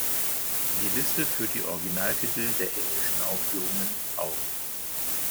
Die Liste führt die Originaltitel der englischen Aufführungen auf.